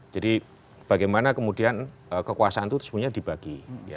jadi bagaimana kemudian kekuasaan itu semuanya dibagi